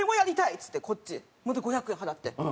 っつってこっちまた５００円払って。